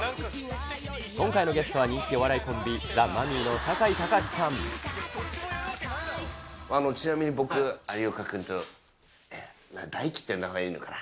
今回のゲストは人気お笑いコちなみに僕、有岡君と、大貴って呼んだほうがいいのかな。